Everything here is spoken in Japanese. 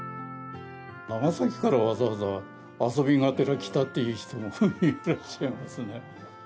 長崎からわざわざ遊びがてら来たという人もいらっしゃいますね。